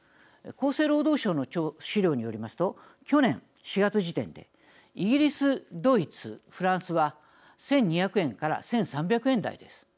厚生労働省の資料によりますと去年４月時点でイギリス、ドイツ、フランスは１２００円から１３００円台です。